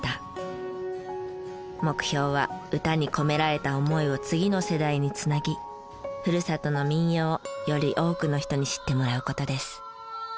目標は歌に込められた思いを次の世代に繋ぎふるさとの民謡をより多くの人に知ってもらう事です。